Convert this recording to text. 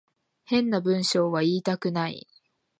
変な文章は言いたくない